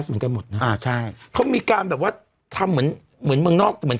พลักษณะของกันหมดค่ะเค้ามีตามแบบว่าทำเหมือนเหมือนเมืองนอกเหมือน